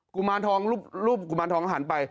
ดูลูกกุมารทองเขาหันไป